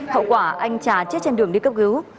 hậu quả anh trà chết trên đường đi cấp cứu